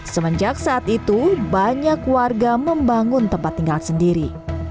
semenjak saat itu banyak warga membangun tempat tinggal sendiri